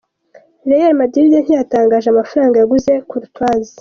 Real Madrid ntiyatangaje amafaranga yaguze Courtois.